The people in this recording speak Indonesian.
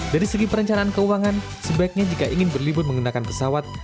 dari segi perencanaan keuangan sebaiknya jika ingin berlibur menggunakan pesawat